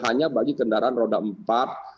hanya bagi kendaraan roda empat atau lebih jauh